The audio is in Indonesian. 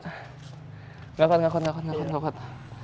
tidak kuat tidak kuat tidak kuat